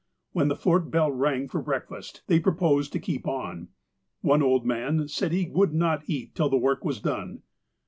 When the Fort bell rang for breakfast, they proposed to keep on. One old man said he would not eat till the work was done.